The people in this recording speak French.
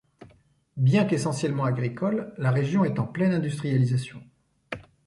Bien qu'essentiellement agricole, la région est en pleine industrialisation.